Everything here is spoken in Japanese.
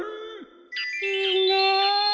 いいねえ。